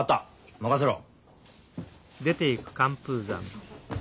任せろ。